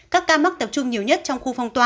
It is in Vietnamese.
các ca mắc tập trung nhiều nhất trong khu phong tỏa